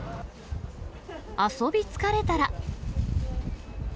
遊び疲れたら。